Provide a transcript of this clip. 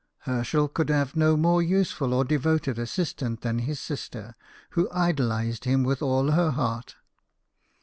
Herschel could have had no more useful or devoted assistant than his sister, who idolized him with all her heart.